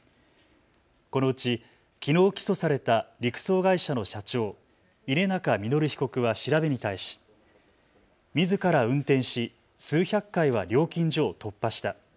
このうちきのう起訴された陸送会社の社長、稲中実被告は調べに対しみずから運転し数百回は料金所を突破した。